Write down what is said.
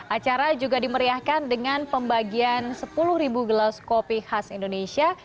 acara juga dimeriahkan dengan pembagian sepuluh gelas kopi khas indonesia